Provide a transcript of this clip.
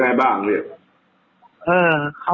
มานั้นแหละ